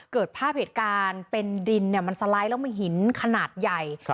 เกิดภาพเหตุการณ์เป็นดินมันสไลด์แล้วมีหินขนาดใหญ่